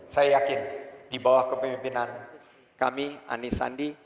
saya yakin di bawah kepemimpinan kami anies sandi